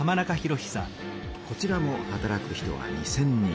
こちらも働く人は２，０００人。